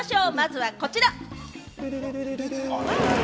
まずはこちら！